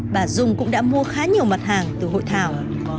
bà dung cũng đã mua khá nhiều mặt hàng từ hội thảo